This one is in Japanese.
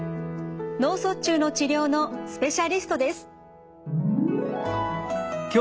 脳卒中の治療のスペシャリストです。